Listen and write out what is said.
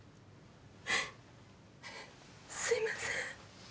すいません。